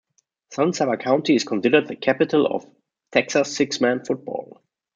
San Saba County is considered the Capital of "Texas Six-Man Football".